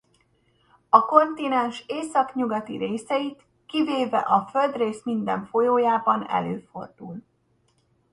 A kontinens északnyugati részeit kivéve a földrész minden folyójában előfordul.